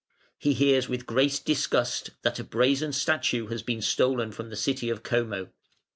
He hears with great disgust that a brazen statue has been stolen from the city of Como.